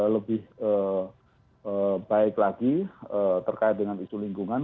lebih baik lagi terkait dengan isu lingkungan